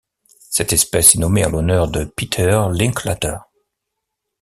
Cette espèce est nommée en l'honneur de Peter Linklater.